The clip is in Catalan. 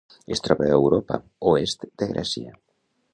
Es troba a Europa: oest de Grècia.